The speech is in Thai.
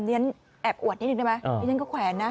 เรียนแอบอวดนิดนึงได้ไหมดิฉันก็แขวนนะ